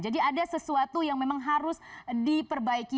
jadi ada sesuatu yang memang harus diperbaiki